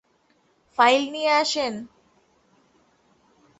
File নিয়ে আসেন।